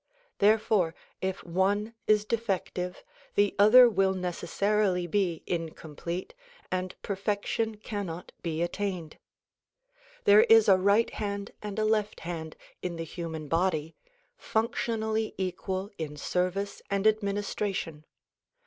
Therefore if one is defective the other will necessarily be incomplete and perfection cannot be attained. There is a right hand and a left hand in the human body, functionally equal in service and administration.